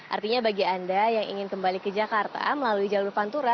artinya bagi anda yang ingin kembali ke jakarta melalui jalur pantura